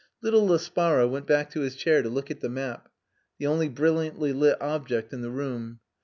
Little Laspara went back to his chair to look at the map, the only brilliantly lit object in the room.